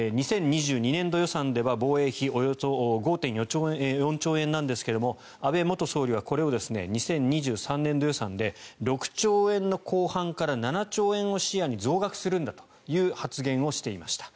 ２０２２年度予算では防衛費およそ５．４兆円なんですが安倍元総理はこれを２０２３年度予算で６兆円の後半から７兆円を視野に増額するんだという発言をしていました。